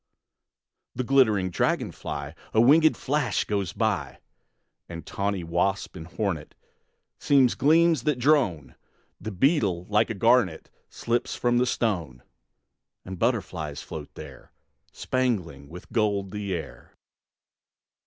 The glittering dragon fly, A wingéd flash, goes by; And tawny wasp and hornet Seem gleams that drone; The beetle, like a garnet, Slips from the stone; And butterflies float there, Spangling with gold the air.